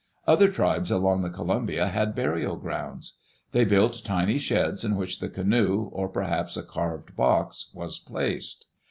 Other tribes along the Co lumbia had burial grounds. They built tiny sheds in which the canoe, or perhaps a carved box, was placed.